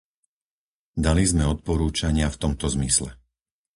Dali sme odporúčania v tomto zmysle.